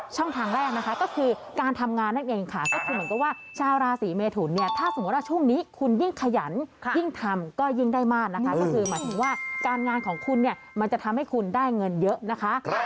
ทางแรกนะคะก็คือการทำงานนั่นเองค่ะก็คือเหมือนกับว่าชาวราศีเมทุนเนี่ยถ้าสมมุติว่าช่วงนี้คุณยิ่งขยันยิ่งทำก็ยิ่งได้มากนะคะก็คือหมายถึงว่าการงานของคุณเนี่ยมันจะทำให้คุณได้เงินเยอะนะคะ